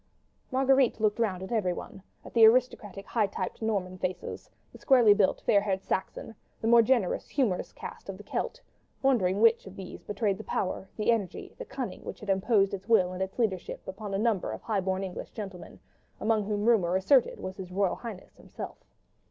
Marguerite looked round at everyone, at the aristocratic high typed Norman faces, the squarely built, fair haired Saxon, the more gentle, humorous caste of the Celt, wondering which of these betrayed the power, the energy, the cunning which had imposed its will and its leadership upon a number of high born English gentlemen, among whom rumour asserted was His Royal Highness himself.